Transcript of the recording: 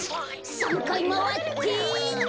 ３かいまわってにゃあ！